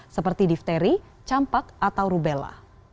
seperti difteri campak atau rubella